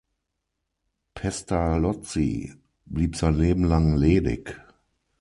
Pestalozzi blieb sein Leben lang ledig.